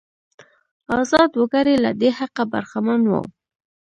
ازاد وګړي له دې حقه برخمن وو.